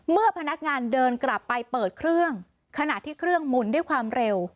พนักงานเดินกลับไปเปิดเครื่องขณะที่เครื่องหมุนด้วยความเร็ว